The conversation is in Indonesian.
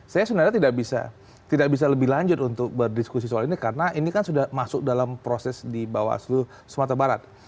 saya sebenarnya tidak bisa lebih lanjut untuk berdiskusi soal ini karena ini kan sudah masuk dalam proses di bawaslu sumatera barat